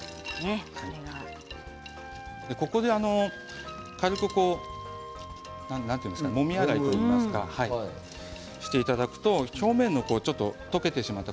ここで軽くなんて言うんですかもみ洗いといいますかしていただくと表面のちょっと溶けてしまった